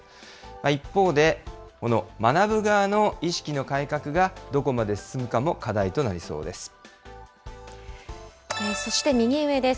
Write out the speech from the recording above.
一方で、この学ぶ側の意識の改革がどこまで進むかも課題となりそそして右上です。